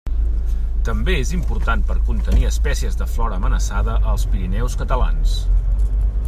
També és important per contenir espècies de flora amenaçada als Pirineus catalans.